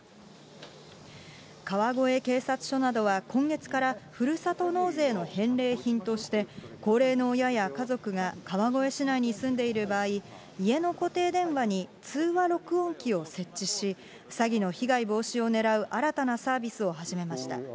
川越警察署などは今月から、ふるさと納税の返礼品として、高齢の親や家族が川越市内に住んでいる場合、家の固定電話に通話録音機を設置し、詐欺の被害防止をねらう新たなサービスを始めました。